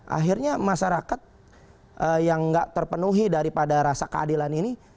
akhirnya masyarakat yang nggak terpenuhi daripada rasa keadilan ini